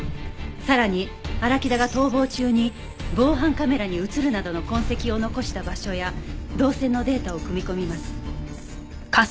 さらに荒木田が逃亡中に防犯カメラに映るなどの痕跡を残した場所や動線のデータを組み込みます。